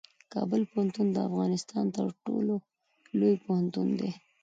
کابل پوهنتون د افغانستان تر ټولو لوی پوهنتون دی.